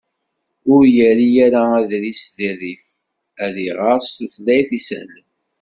Ur yerri ara aḍris di rrif ad iɣer s tutlayt isehlen.